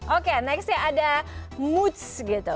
oke next ya ada moods gitu